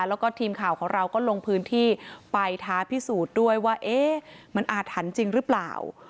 แล้วก็ทีมข่าวของเราก็ลงพื้นที่ไปท้าพิสูจน์ด้วยว่าเอ๊ะมันอาถรรพ์จริงหรือเปล่า